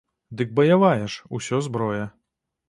Дык баявая ж усё зброя.